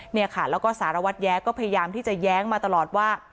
เนี่ยค่ะแล้วก็สารวัตรแย้ก็พยายามที่จะแย้งมาตลอดว่า